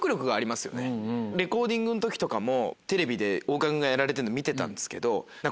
レコーディングの時とかもテレビで大倉君がやられてるの見てたんですけど。